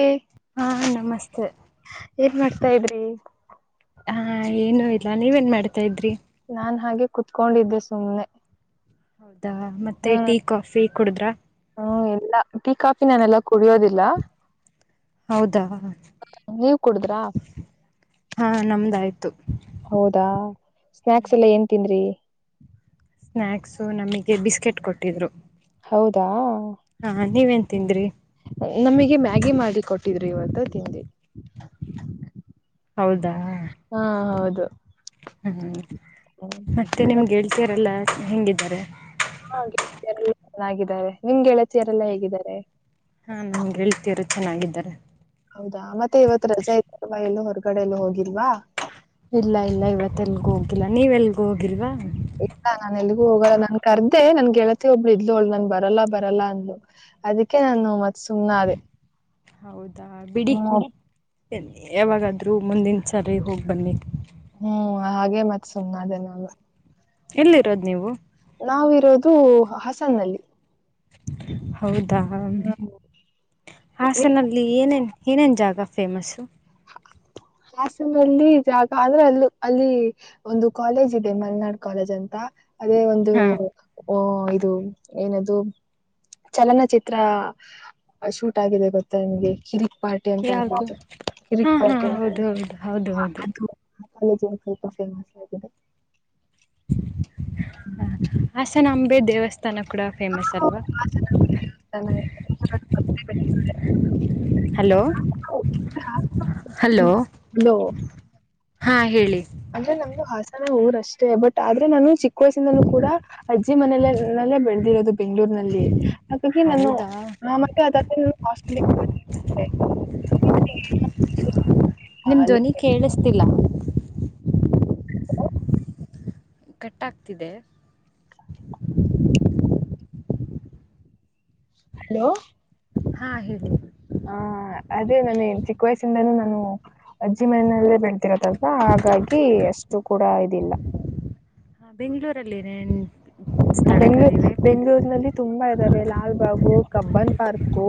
ಏ ಆ ನಮಸ್ತೆ. ಎನ್ ಮಾಡ್ತಾ ಇದ್ರಿ. ಆ ಏನು ಜಾನಿಯನ್ ಮಾಡ್ತಾ ಇದ್ರೆ. ನಾನ್ ಹಾಗೆ ಕುಟ್ಕೊಂಡಿದ್ದೆ ಸುಮ್ಮೆ ಹೌದ್ ಆ ಮತ್ತೆ ಟೀ ಕಾಫಿ [unintelligible] ಓಹ್ ಇಲ ಟೀ ಕಾಫಿ ಎಲ್ಲಾ ಕುಡಿಯದಿಲ್ಲ ಹೌದಾ ನೀವು ಕುಡ್ಡ್ರ ಹಾ ನಮ್ದಾಯ್ತು ಹೌದ ಸ್ನ್ಯಾಕ್ಸ್ ಎಲ್ಲಾ ಎನ್ ತೀಂದ್ರಿ. ಸ್ನ್ಯಾಕ್ಸ್ ನಮಗೆ ಬಿಸ್ಕತ್ ಕೊಟ್ಟಿದ್ರು. ಹೌದ ಹಾ ನೀವೇನ್ ತಿಂದ್ರಿ ನಿಮಗೆ ಮ್ಯಾಗಿ ಮಾಡಿ ಕೊಡ್ತಾರ ಕೊಟ್ಟಿದ್ರು ಇವತ್ತು ತಿಂದ್ವಿ. ಹೌದ ಹಾ ಹೌದು ಹ್ಮ ಹ್ಮ ಮತ್ತೆ ನಿಮ್ಮ ಗೆಳತಿರೆಲ್ಲ ಹೆಂಗಿದ್ದಾರೆ ಹಾ ಗೆಿಯರೆಲ್ಲ ಚೆನ್ನಾಗಿದ್ದಾರೆ ನಿಮ್ ಗೆಳತಿಯರೆಲ್ಲಾ ಹೇಗಿದ್ದಾರೆ ಹಾ ನಮಗೆ ಗೆಳ್ತೀರು ಚೆನ್ನಾಗಿದ್ದಾರೆ ಹೌದಾ ಮತ್ತೆ ಇವತ್ ರಜೆ ಇದಲ್ವಾ ಎಲ್ಲೋ ಹೊರಗಡೆ ಎಲ್ಲೂ ಹೋಗಿಲ್ವಾ ಇಲ್ಲ ಇಲ್ಲ ಇವತ್ತ ಎಲ್ಗೂ ಹೋಗಿಲ್ಲ ನೀವ್ ಎಲ್ಗೂ ಹೋಗಿಲ್ವಾ ಇಲ್ಲ ನಾನ ಎಲ್ಗೂ ಹೋಗಲ್ಲ ನನ್ ಕರ್ದೆೆ ನನ್ ಗೆಳತಿ ಒಬ್ಳ ಇದ್ಲು ಒಳು ನನ್ ಬರಲ್ಲ ಬರಲ್ಲ ಅಂದ್ಲು ಅದಕ್ಕೆ ನಾನು ಮತ್ತ ಸುಮ್ಮನೆ ಅಾದೆ ಹೌದು ಹಾ ಯಾವಾಗಾದ್ೂ ಮುಂದಿನ ಸರಿ ಹೋಗಿ ಬನ್ನಿ ಹ್ಮ್ ಹಾಗೆ ಮತ್ ಸುಮ್ಮನೆ ಅದೇ ನಾನು ಎಲ್ಲಿರೋದು್ ನೀವು ನಾವಿರೋದು ಹಸನ್ನಲ್ಲಿ ಹೌದು ಹೌದ ಹಾಸನಲ್ಲಿ ಏನೇನು ಇತ್ತ ಏನೇನು ಜಾಗ ಫೇಮಸ್ಸು ಹಾಸನಲ್ಲಿ ಜಾಗ ಅಂದ್ರೆ ಅಲ್ಲ ಅಲ್ಲಿ ಒಂದು ಕಾಲೇಜ್ ಇದೆ ಮಲ್ನಾಡ್ ಕಾಲೇಜ್ ಅಂತ ಅದೇ ಒಂದು ಹಾ ಓ ಇದು ಏನದು ಚಲನಚಿತ್ರ ಶೂಟ್ ಆಗಿದೆ ಗೊತ್ತಾ ನಿಮ್ಗೆ ಕಿರಿ ಪಾರ್ಟಿ ಅಂತ ಅನ್ಬು ಕಿರಿಕ್ ಹ ಪಾರ್ಟಿ ಹೌದು ಹೌದು ಹೌದು ಹೌದು ಕಾಲೇಜ ಸ್ವಲ್ಪ ಫೇಮಸ್ ಆಗಿದೆ ಹ್ಮ ಹಾಸನಾಂಬೆ ದೇವಸ್ಥಾನ ತನ ಕೂಡ ಫೇಮಸ್ ಅಲ್ವಾ ಹಲೋ ಹಲೋ ಅಲೋ ಹಾ ಹೇಳಿ ಅಂದ್ರೆ ನಮ್ದು ಹಾಸ ನ ಊರಷ್ಟೇ ಬಟ್ ಆದ್ರೆ ನಾನು ಚಿಕ್ಕ ವಯಸ್ಸಿಂದನೂ ಕೂಡ ಅಜ್ಜಿ ಮನಲ್ಲೇ ಬೆಳೆದಿರೋದು ಬೆಂಗ್ಗಳೂರ್ನಲ್ಲಿ ಹಾಗಾಗಿ ನಾನು ಹೌದಾ ಆ ಮತ್ತೆ ಅದಾದ ಕಸ್ಲಿ ನಿಮ್ ಧ್ವನಿ ಕೇಳ ಸ್ಥಿಲ್ಲ ಕಟ್ಟಾಗ್ತಿದೆ ಹಲೋ ಹಾ ಹೇಳಿ. ಹ ಅದೇ ನಾನೇ ಚಿಕ್ಕ ವಯಸ್ಸಿಂದಾನೂ ನಾನು ಅಜ್ಜಿ ಮನಲ್ಲೇ ಬೆಳ್ತನಿ. ಲ್ವಾ ಹಾಗಾಗಿ ಎಷ್ಟು ಕೂಡ. [inaudible] ಹಾ ಬೆಂಗಳೂರುಲೀ. ಬೆಂಗಳೂರುನಲ್ಲಿ ತುಂಬಾ. ಲಾಲ್ಬಾಗ್ ಕಬ್ಬನ್ ಪಾರ್ಕ್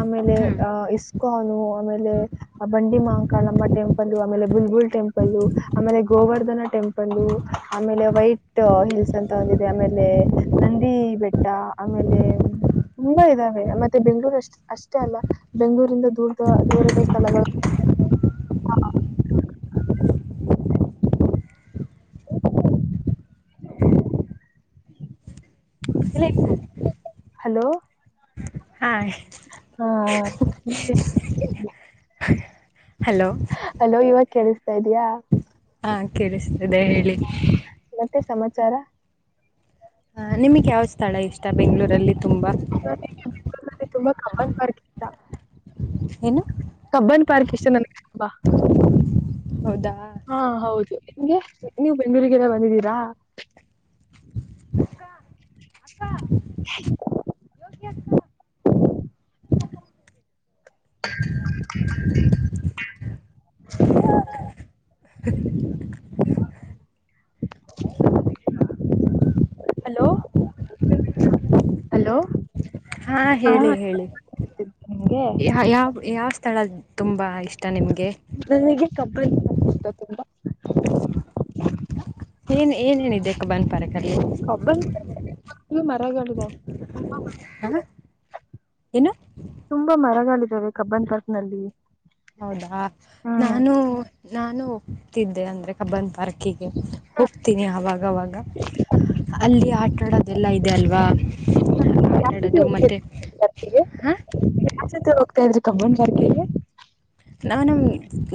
ಆಮೇಲೆ ಹ್ಮ್ ಇಸ್ಕಾನ್ ಆಮೇಲೆ ಬಂಡಿಮಹಾಕಮ್ಮಾ ಆಮೇಲೆ ಬುಲ್ ಟೆಂಪಲ್ ಆಮೇಲೆ ಗೋವರ್ಧನ ಟೆಂಪಲ್ ಆಮೇಲೆ ವಿಟ್ ಟೆಂಪಲ್ ಆಮೇಲೆ ತುಂಬಾ ಇದಾವೆ ಮತ್ತೆ ಬೆಂಗ್ಳೂರ್ ಅಷ್ಟ ಅಷ್ಟೇ ಅಲ್ಲ ಬೆಂಗಳೂರಿಂದ ದೂರದ ದೂರದ ಸ್ಥಳಗಳು [inaudible] ಆ. [inaudible] ಹಲೋ [unintelligible] [inaudible] [unintelligible] [unintelligible] [inaudible] ನಿಮಗೆ ಯಾವ ಸ್ಥಳ ಇಷ್ಟ ಬೆಂಗಳೂರು ಅಲ್ಲಿ. [inaudible] ಏನು. ಕಬ್ಬನ್ ಪಾರ್ಕ್ ಇಷ್ಟ ನಾ. ಹೌದಾ ಆ ಹೌದು. ನೀವು ಬೆಂಗಳೂರಿಗೆ ಬಂದಿದೀರಾ. [inaudible] [inaudible] [inaudible] [inaudible] [inaudible] ಹಲೋ ಹಲೋ ಆ ಹಾ ಹೇಳಿ. ನಿಮ್ಗೆ ತುಂಬಾ ಇಷ್ಟ ನಿಮಗೆ. [inaudible] [inaudible] [inaudible] ಕಬ್ಬನ್ ಇವು ಮರಗಳಿದಾವೆ ಆ ಏನು. ತುಂಬಾ ಮರಗಳಿದಾವೆ ಕಬ್ಬನ್ ಪಾರ್ಕ್ ನಲ್ಲಿ. ಹ್ಮ್ ನಾನು. ನಾನು ಹೋಗ್ತಿದ್ದೆ ಕಬ್ಬನ್ ಪಾರ್ಕ್ಗೆ ಗೇ. ಹೋಗ್ತೀನಿ ಅವಾಗ ಅವಾಗ ಆಟ ಆಡೋದು ಎಲ್ಲ ಇದೆ ಅಲ್ವಾ. ಯಾವ್ ಜೊತೆ ಹೋಗ್ತಾ ಇದ್ರಿ ಪಾರ್ಕಿಗೆ ಯಾರ್ ಜೊತೆ ಹೋಗ್ತಾ [inaudible] ನಾನು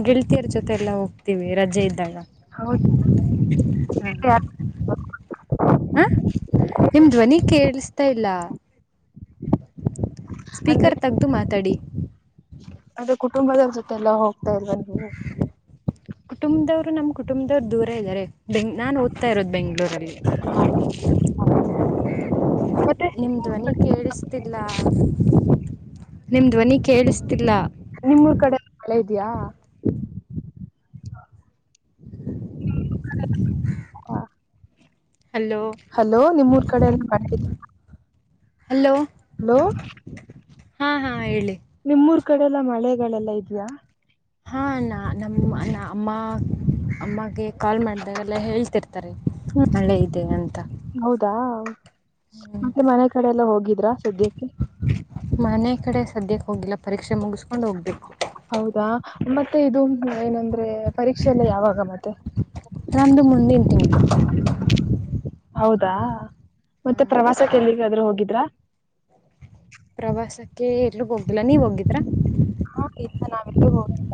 ಗೆಳತಿಯರ ಎಲ್ಲ ಜೊತೆ ಹೋಗ್ತೀನಿ. [inaudible] ಹೌದು ಅದು ಕುಟುಂಬದೋರ್ ಜೊತ್ ತೆ ಎಲ್ಲ ಹೋಗ್ತಾ ಇಲ್ವಾ ನೀವು ನಮ್ ಕುಟುಂಬ ದೊರ್ ದೂರ ಇದ್ದಾರೆ ನಾನ್ ಓದ್ತಾ ಇರೋದು ಬೆಂಗಳೂರಲ್ಲಿ ಹಾ ಮತ್ತೆ ನಿಮ್ಮ ಧ್ವನಿ ಕೇಳಿಸ್ತಿಲ್ಲ ತಾ ನಿಮ ಧ್ವನಿ ಕೇಳಿಸ್ತಿಲ್ಲ ನಿಮ್ ಉರ್ ಕಡೆ ಮಳೆ ಇದ ಇದ್ಯಾ ಹ ಹಲೋ ಹಲೋ ನಿಮ್ಮೂರ್ ಕಡೆ ಎಲ್ಲ ಹಲೋ ಹಲೋ ಹಾ ಹಾ ಹೇಳಿ ನಿಮೂರ್ ಕಡೆ ಎಲ್ಲಾ ಮಳೆಗಳೆಲ್ಲ ಇದ್ಯಾ ಆ ನಾ ನಮ್ ಅನ್ ಅಮ್ಮ ಕಾಲ್ ಮಾಡಿದಾಗೆಲ್ಲ ಹೇಳ್ತಿರ್ತಾರೆ ಹೂ ಮಳೆ ಇದೆ ಅಂತ ಹೌದು ಹ್ಮ್ ಮತ್ತೆ ಮನೆ ಕಡೆ ಎಲ್ಲಾ ಹೋಗಿದ್ರಾ ಸದ್ಯಕ್ಕೆ ಮನೆ ಕಡೆ ಸದ್ಯಕ್ಕೆ ಹೋಗಿಲ್ಲ ಪರೀಕ್ಷೆ ಮುಗಿಸ್ ಹೌದಾ ಮತ್ತೆ ಇದು ಏನಂದ್ರೆ ಪರೀಕ್ಷೆ ಎಲ್ಲ ಯಾವಾಗ ಮತ್ತೆ ನಂದು ಮುಂದಿದ್ದು ತಿಂಗಳು ಹೌದಾ ಮತ್ತೆ ಹ್ಮ್ ಪ್ರವಾಸಕ್ಕೆ ಎಲ್ಲಿಗಾದ್ರು ಹೋಗಿದ್ರಾ ಪ್ರವಾಸಕ್ಕೆ ಎಲ್ಲೂ ಹೋಗಿಲ್ಲ ನೀವು ಹೋಗಿದ್ರಾ ನಾವೆಲ್ಲು ಹೋಗಿಲ್ಲ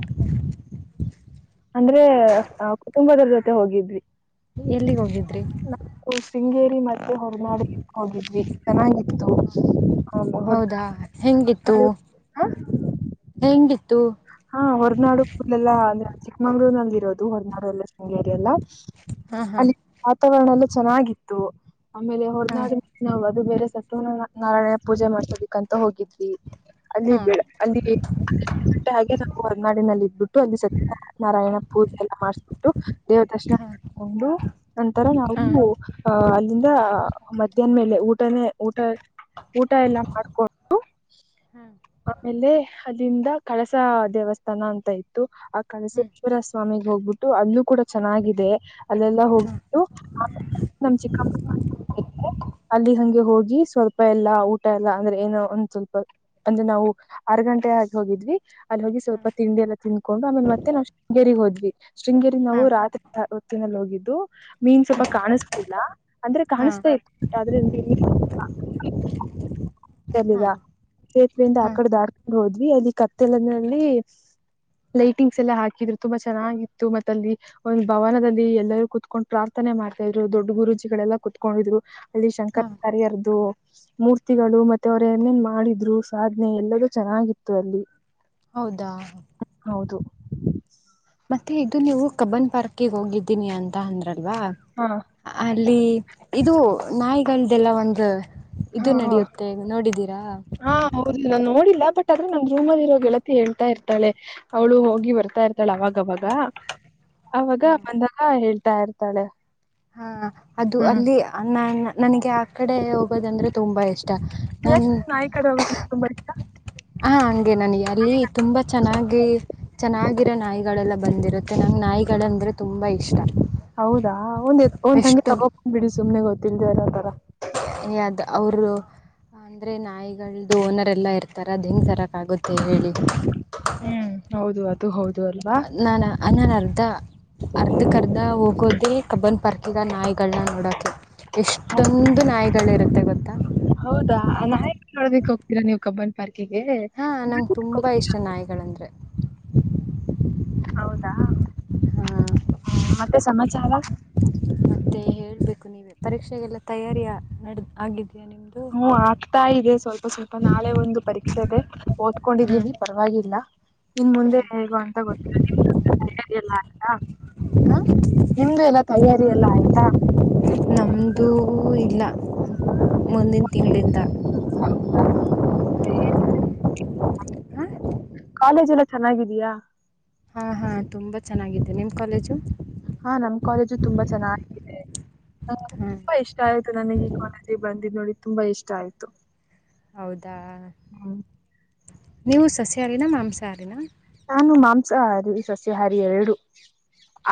ಅಂದ್ರೆ ಕುಟುಂಬದೋರ್ ಜೊತೆ ಹೋಗಿದ್ವಿ ಯಲ್ಲಿಗ್ ಹೋಗ್. ನಾ ಶೃಂಗೇರಿ ಹೋರಮಾಡ್ ಕೇ ಹೋಗಿದ್ವಿ ಚೆನ್ನಾಗಿತ್ತು ಹಾ ಹೌದಾ ಹೆಂಗಿತ್ತು ಹೆಂಗಿತ್ತು ಹಾ ಹೊರನಾಡು ಫುಲ್ ಎಲ್ಲಾ ಚಿಕ್ಕಮಂಗಳು ನಲಿರೋದು ಹೊರನಾಡು ಶೃಂಗೇರಿ ಎಲ್ಲಾ ಹಾ ಹ ವೇನಲ್ಲೂ ಚೆನ್ನಾಗಿತ್ತು ಆಮೇಲೆ ಹಾ ಹೊರನಾಡಿನ ಅದು ಬೇರೆ ಸತ್ಯ ನಾರಾಯಣ ಪೂಜೆ ಮಾಡ್ಸ್ಕ್ ಹೋಗಿದ್ವಿ ಅಲ್ಲಿ ಹಾ ಅಲ್ಲಿ ಹೊರನಾಡಿನಲ್ ಇದ್ಬಿತ್ತು ಅಲ್ಲಿ ಸತ್ಯನಾರಾಯಣ ಪೂಜೆ ಎಲ್ಲಾ ಮಾಡಿಸಬಿಟ್ಟು ದೇವರ್ ದರ್ಶನಾ ಹಾ ಮಾಡ್ಕೊಂಡು ನಂತರ ಹಾ ನಾವು ಅ. ಅಲ್ಲಿಂದ ಮಧ್ಯಾನ ಮೇಲೆ ಊಟ ಊಟ ಯಲ್ಲಾ ಮಾಡ್ಕೊಂಡು ಹಾ ಆಮೇಲೆ ಅಲ್ಲಿಂದ ಕಳಸ ದೇವಸ್ಥಾನ ಅಂತ ಇತ್ತು ಕಳಸ ಹ್ಮ್ ಚಿನ್ನ ಸ್ವಾಮಿ ಹೋಗ್ಬಿಟ್ಟು ಅಲ್ಲು ಕೂಡ ಚೆನ್ನಾಗಿದೆ ಅಲ್ಲೆಲ್ಲ ಹಾ ಹೋಗಿಬಿಟ್ಟು ಆಮೇಲೆ ನಮ್ಮ ಚಿಕ್ಕಪ್ಪ ಅಲ್ಲಿ ಹಂಗೆ ಹೋಗಿ ಸ್ವಲ್ಪ ಯಲ್ಲಾ ಊಟ ಯಲ್ಲಾ ಅಂದ್ರೆ ಏನೋ ಒಂದು ಸ್ವಲ್ಪ ಅಂದ್ರೆ ನಾವು ಆರು ಗಂಟೆ ಆಗಿ ಹೋಗಿದ್ವಿ ಅಲ್ಲಿ ಹೋಗಿ ಸ್ವಲ್ಪ ತಿಂಡಿ ಯಲ್ಲಾ ತಿನಕೊಂಡು ಆಮೇಲೆ ಮತ್ತೆ ನಾವು ಶೃಂಗೇರಿಗೆ ಹೋದ್ವಿ ಬಿಗ್ ಶೃಂಗೇರಿಗೆ ಹಾ ಹಾ ನಾವು ರಾತ್ರಿ ಮಂದದಲ್ಲಿ ಹೋಗಿದ್ದು ನಿನ್ ಸ್ವಲ್ಪ ಹ್ಮ್ ಕನಸಲಿಲ್ಲ ಅಂದ್ರೆ ಹಾ ಕನಸದೆ ಆದ್ರೆ ನೀ ಹಾ ಯಲ್ಲಿಲ್ಲ ಗೇಟಿಂದ ಹಾ ಆಕಡೆ ದಟ್ಕೊಂಡ ಹೋದ್ವಿ ಅಲ್ಲಿ ಕತ್ಲಲ್ಲಿ ಲೈಟಿಂಗ್ಸ್ ಯಲ್ಲಾ ಹಾಕಿದ್ರು ತುಂಬಾ ಚೆನ್ನಾಗಿತ್ತು ಮತ್ತ ಅಲ್ಲಿ ಒಂದ ಭವನದಲ್ಲಿ ಯಲ್ಲರು ಕೂತ್ಕೊಂಡ್ವಿ ಪ್ರಾರ್ಥನೆ ಮಾಡ್ತಿದ್ರು ದೊಡ್ಡ ಗುರೂಜಿಗಳು ಯಲ್ಲಾ ಕೂತ್ಕೊಂಡಿದ್ರು ಅಲ್ಲಿ ಶಂಕರ ಹಾ ರಾಯರದು ಮೂರ್ತಿಗಳು ಮತ್ತ ದೊರೆಯಲ್ಲಿ ಮಾಡಿದ್ರು ಸಾದನೆ ಏಲ್ಲರು ಚೆನ್ನಾಗಿತ್ತು ಅಲ್ಲಿ ಹೌದಾ ಹೌದು ಮತ್ತೆ ಇದುನ ಯಾವಾಗ ಕಬ್ಬನ್ ಪಾರ್ಕಾಗ ಹೋಗಿದೀನಿ ಅಂತಾ ಅಂದ್ರಲ್ಲ ಇಲ್ವಾ ಹಾ ಅಲ್ಲಿ ಇದು ನಾಯಿ ಕೇಳದೆಲಾ ಒಂದು ಇದು ಹ್ಮ್ ಹ್ಮ್ ನಡೆಯುತ್ತೆ ನೋಡಿದ್ದೀರಾ ಹಾ ಹೌದು ನಾ ನೋಡಿಲ್ಲ ಬಟ್ ಆದ್ರೆ ನಂಗ ರೂಮಲ್ಲಿ ಇರೋ ಗೆಳತಿ ಹೇಳ್ತಿರ್ತಾಳೆ ಅವಳು ಹೋಗಿ ಬರ್ತಾ ಇರ್ತಾಳೆ ಅವಾಗ ಅವಾಗ ಅವಾಗ ಹಾ ಮಂದನಾ ಹೇಳ ಹೇಳ್ತಾ ಇರ್ತಾಳೆ ಹಾ ಅದು ಹ್ಮ್ ಅಲ್ಲಿ ಅನ್ನಯನ ನನಗೆ ಆಕಡೆ ಹೋಗೋದು ಅಂದ್ರೆ ತುಂಬಾ ಇಷ್ಟಾ ನಾಯಿ ಕಡೆ ಹೋಗೋದು ಅಂದ್ರೆ ತುಂಬಾ ಇಷ್ಟ ಹಂಗೆ ನಂಗ ಯಲ್ಲಿ ತುಂಬ ಚೆನ್ನಾಗಿರೋ ನಾಯಿಗಳೆಲ್ಲಾ ಬಂದಿರುತ್ತೆ ನಂಗ ನಾಯಿಗಳೆಂದರೆ ತುಂಬಾ ಇಷ್ಟಾ ಹೌದಾ ಅವನ ಯತಕೊಂಡ ತಗೊಂಡ ಬಿಡು ಸುಮ್ನೆ ತಿಂದೆ ಯದ ಅವರ ಅಂದ್ರೆ ನಾಯಿಗಳದ್ದು ಓನರ್ ಯಲ್ಲಾ ಇರ್ತಾರೆ ಆ ತರ ಅದೆಂಗೆ ತರಕೆ ಆಗುತ್ತೆ ಹೇಳಿ. ಹ್ಮ್ [inaudible] [unintelligible] ಅರ್ಧಕರ್ಧ ನಾವ್ ಹೋಗೊದೆ ಕಬ್ಬನ್ ಪಾರ್ಕಿಗ ನಾಯಿಗಳನ್ನ ನೋಡಕೆ, ಎಷ್ಟೋಂದ್ ನಾಯಿಗಳ್‌ ಇರುತ್ತೆ ಗೊತ್ತಾ. ನೋಡದಿಕ್ ಹೋಗ್ತೀರಾ ನೀವು ಕಬ್ಬನ್ ಪಾರ್ಕ್ ಆ ನಂಗೆ ತುಂಬಾ ಇಷ್ಟ ನಾಯಿಗಳಂದ್ರೆ. ಹಾಂ ಆ ಮತ್ತೆ ಸಮಾಚಾರ ಮತ್ತು ಹೇಳಬೇಕು ಪರೀಕ್ಷೆಗೆಲ್ಲ ತಯಾರಿಯ ನಡೆದ ಆಗಿದಿಯಾ ಹು ಆಗ್ತಾ ಇದೆ ಸ್ವಲ್ಪ ಸ್ವಲ್ಪ ನಾಳೆ ಒಂದು ಪರೀಕ್ಷೆ ಇದೆ, ಹ್ಮ್ ಓದ್ಕೊಂಡಿದೀವಿ ಪರವಾಗಿಲ್ಲ. ಇನ್ಮುಂದೆ ಹಾಂ ಹೇಗೋ ಅಂತ ಗೊತ್ತಿಲ್ಲ ಹಾಂ ನಿಮ್ದು ಎಲ್ಲ ತಯಾರಿಯಲ್ಲ ಆಯ್ತಾ ಅದೂ ಇಲ್ಲ ಮುಂದಿನ್ ತಿಂಗಳಿಂದ ಆ ಚೆನ್ನಾಗಿದ್ದೀಯಾ. ಆಹಾ ತುಂಬಾ ಚೆನ್ನಾಗಿದೆ ನಿಮ್ಮ ಕಾಲೇಜು ಆ ನಮ್ ಕಾಲೇಜು ತುಂಬಾ ಚೆನ್ನಾಗಿದೆ ನನಗೆ ಹಾ ತುಂಬಾ ಇಷ್ಟ ಆಯ್ತು ನನಿಗೆ ಈ ಕಾಲೇಜಿಗೆ ಬಂದಿದ್ದು ನೋಡಿ ತುಂಬಾ ಇಷ್ಟ ಆಯ್ತು ಹೌದಾ ಹ್ಮ್. ನೀವು ಸಸ್ಯಹಾರಿನ ಮಾಂಸಾಹಾರಿನ ನಾನು ಮಾಂಸಾಹಾರಿ ಸಸ್ಯಹಾರಿ ಎರಡು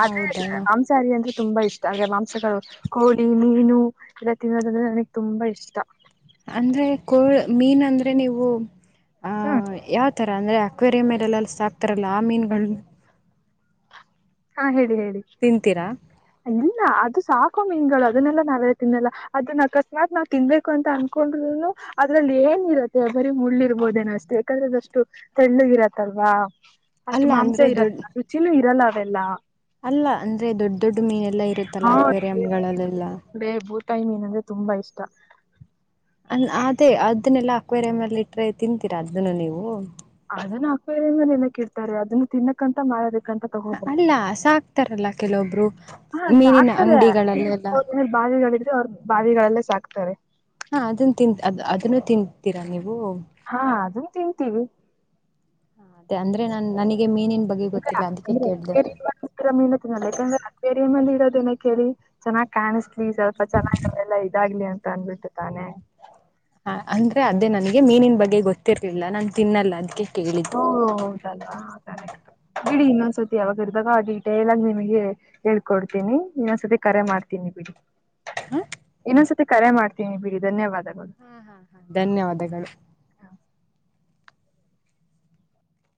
ಆದರೆ ಹೌದವಾ ಮಾಂಸರೆ ಅಂದ್ರೆ ತುಂಬಾ ಇಷ್ಟ ಅಂದ್ರೆ ಮಾಂಸಗಳು ಕೋಳಿ, ಮೀನು ಇವ ತಿನ್ನೊದಂದ್ರೆ ನನಗೆ ತುಂಬಾ ಇಷ್ಟ. ಅಂದ್ರೆ ಕೋ ಮೀನ್ ಅಂದ್ರೆ ನೀವು ಹ್ಮ್ ಆ-ಆ ಅಕ್ವೇರಿಯಂರಲ್ಲಿ ಸಾಕ್ತಾರಲ್ಲ ಆ ಮೀನುಗಳು ಆ ಹೇಳಿ ಹೇಳಿ ತಿಂತೀರಾ ಇಲ್ಲ ಅದು [unintelligible] ಮೀನುಗಳು ಅದನ್ನೆಲ್ಲ ನಾವು ತಿನ್ನಲ್ಲ ಅದನ್ನ ಅಕಸ್ಮಾತ್ ನಾವು ತಿನ್ನಬೇಕು ಅಂತ ಅನ್ಕೊಂಡ್ರೂನೂ ಅದರಲ್ಲಿ ಏನಿರುತ್ತೆ ಬರಿ ಮುಳ್ಳು ಇರ್ಬಹುದೇನಷ್ಟೇ ಯಾಕಂದ್ರೆ ಅದು ಅಷ್ಟು ತೆಳ್ಳಗೆ ಇರುತ್ತೆ ಅಲ್ವಾ. ಅಷ್ಟು ಅಲ್ಲ ಮಾಂಸ ಅಂದರೆ ಇರಲ್ಲ ದೊಡ್ಡ ರುಚಿನೂ ಇರಲ್ಲ ಅದೆಲ್ಲ ಅಲ್ಲ ಅಂದ್ರೆ ದೊಡ್ ದೊಡ್ಡ್ ಮೀನೆಲ್ಲಾ ಇರುತ್ತಲ್ಲ ಅಕ್ವೇರಿಯಂಗಳಲ್ಲೆಲ್ಲ ಭೂತಾಯಿ ಮೀನಂದ್ರೆ ತುಂಬಾ ಇಷ್ಟ. ಅದೇ ಅದ್ದನ್ನೆಲ್ಲ ಅಕ್ವೇರಿಯಂ ಅಲ್ಲಿ ಇಟ್ರೆ ತಿಂತಿರಾ ಅದನ್ನು ನೀವು ಅದನ್ನು ಅಕ್ವೇರಿಯಂ ಅಲ್ಲಿ ಏನಕ್ಕೆ ಇಡ್ತಾರೆ ಅದನ್ನ ತಿನ್ನಕ್ ಅಂತ ಮಾಡ್ ತಗೋಬಹುದು, ಅಲ್ಲ ಸಾಕ್ತಾರಲ್ಲ ಕೆಲವೊಬ್ರು ಆ ಮೀನಿನ ಸಾಕ್ತಾರೆ ಅಂಗಡಿಗಳಲ್ಲೆಲ್ಲ ಬಾವಿಗಳು ಇದ್ದರೆ ಬಾವಿಗಳಲ್ಲೇ ಸಾಕ್ತಾರೆ. ಹಾಕ್ತಾರೆ ಅದನ ತಿನ್ ಅದನ್ನ ತಿನ್ ತಿಂತಿರಾ ನೀವು ಹಾ ಅದನ್ನ ತಿನ್ ತಿಂತೀವಿ ಅಂದ್ರೆ ನನ್ ನನಗೆ ಮೇನ್ ಏಕಂದ್ರೆ ಅಕ್ವೇರಿಯಂ ಅಲ್ಲಿ ಚೆನ್ನಾಗಿ ಕಾಣಸ್ತ ನೀ ಸ್ವಲ್ಪ ಚೆನ್ನಾಗಿ ಅದೆಲ್ಲಾ ಇದಾಗಲಿ ಅಂತ ತಂದ್ಬಿಟ್ಟು ತಾನೇ ಹಾ ಅಂದ್ರೆ ಅದೇ ನನ್ಗೆ ಮೀನಿನ ಬಗ್ಗೆ ಗೊತ್ತಿರ್ಲಿಲ್ಲ ನಾನ್ ತಿನ್ನಲ್ಲ ಅದಕ್ಕೆ ಹೂ ಕೇಳಿದ್ದು ಹೂ ಹೌದಲ್ವಾ ಕರೆಕ್ಟು ಬಿಡಿ ಇನ್ನೊಂದು ಸರ್ತಿ ಯಾವಾಗಿರದಾಗ ಡೀಟೇಲ್ ಆಗಿ ನಿಮಗೆ ಹೇಳ್ಕೊಡ್ತೀನಿ ಇನ್ನೊಂದ್ಸತಿ ಕರೆ ಮಾಡ್ತೀನಿ ಬಿಡಿ ಹಾ ಇನ್ನೊಂದ್ಸತಿ ಕರೆ ಮಾಡ್ತೀನಿ ಬಿಡಿ ಧನ್ಯವಾದಗಳು ಧನ್ಯವಾದಗಳು